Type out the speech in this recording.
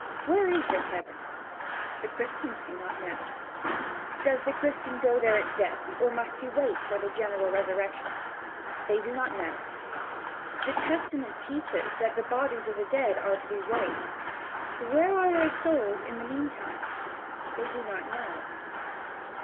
Where is this heaven? The Christians do not know. Does the Christian go there at death, or must he wait for the general resurrection? They do not know. The Testament teaches that the bodies of the dead are to be raised? Where are their souls in the meantime? They do not know.